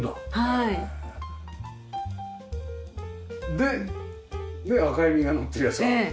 で赤い実がなってるやつが。